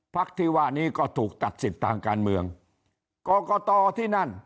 พักที่ว่านี้ก็ถูกตัดสิทธิ์ทางการเมืองกรกตที่นั่น